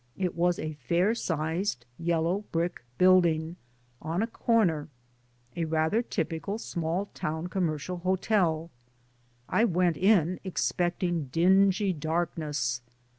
It was a fair sized yellow brick building on a comer, a rather typical small town conmiercial hotel. I went in expecting dingy darkness.